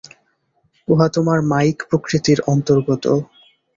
উহা তোমার মায়িক প্রকৃতির অন্তর্গত।